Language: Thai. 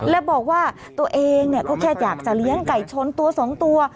และบอกว่าตัวเองก็แค่อยากจะเลี้ยงไก่ชนตัวสองตัว